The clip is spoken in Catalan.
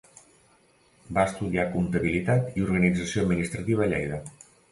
Va estudiar comptabilitat i organització administrativa a Lleida.